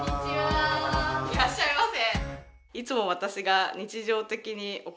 いらっしゃいませ。